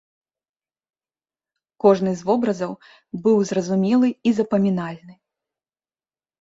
Кожны з вобразаў быў зразумелы і запамінальны.